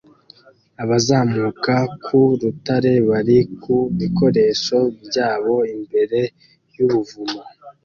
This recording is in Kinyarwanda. Abazamuka ku rutare bari ku bikoresho byabo imbere y'ubuvumo